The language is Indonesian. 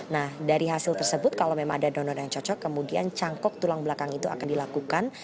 nah dari hasil tersebut kalau memang ada donor yang cocok kemudian cangkok tulang belakang itu akan dilakukan